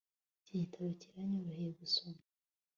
iki gitabo kiranyoroheye gusoma